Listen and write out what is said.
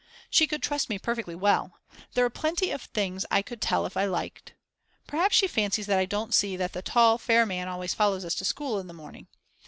She could trust me perfectly well. There are plenty of things I could tell if I liked! Perhaps she fancies that I don't see that the tall fair man always follows us to school in the morning.